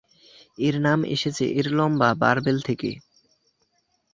এর নাম এসেছে এর লম্বা বারবেল থেকে।